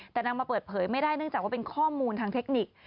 แต่นำมาเปิดเผยไม่ได้เนื่องจากว่าเป็นข้อมูลทางเทคนิค